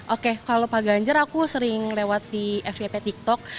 oke kalau pak ganjar aku sering lewat di fwp tiktok